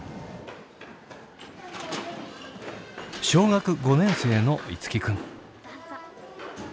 小学５年生の樹君。